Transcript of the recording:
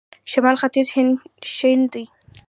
شمال ختیځ هند شین دی.